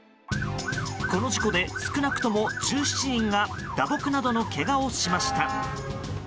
この事故で少なくとも１７人が打撲などのけがをしました。